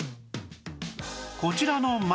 こちらの枕